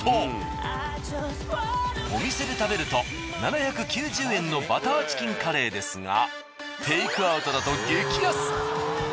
お店で食べると７９０円のバターチキンカレーですがテイクアウトだと激安！